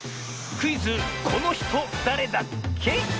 クイズ「このひとだれだっけ？」。